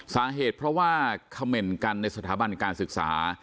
สาเหตุเพราะว่าเขม่นกันในสถาบันการศึกษา